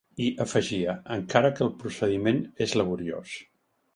I afegia: ‘Encara que el procediment és laboriós’.